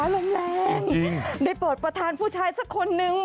โอ้โหมุ่นแล้วล้มไปแล้วหนึ่ง